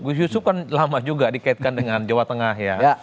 gus yusuf kan lama juga dikaitkan dengan jawa tengah ya